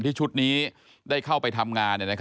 ชุดนี้ได้เข้าไปทำงาน